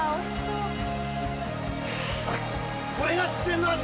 これが自然の味！